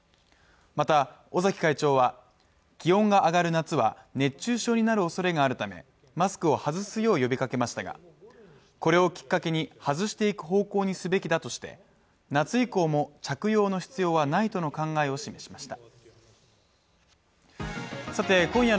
また、尾崎会長は気温が上がる夏は熱中症になる恐れがあるためマスクを外すよう呼びかけましたが、これをきっかけに外していく方向にすべきだとして、夏以降も着用の必要はないとの考えを示しました。